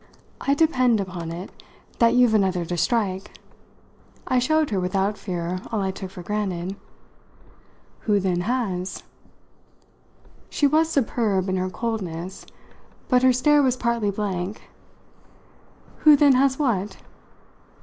I depend upon it that you've another to strike." I showed her without fear all I took for granted. "Who, then, has?" She was superb in her coldness, but her stare was partly blank. "Who then has what?"